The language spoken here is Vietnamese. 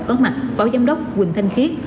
có mặt phó giám đốc quỳnh thanh khiết